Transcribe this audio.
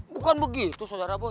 bukan begitu saudara boy